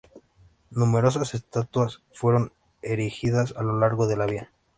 Numerosas estatuas fueron erigidas a lo largo de la vía.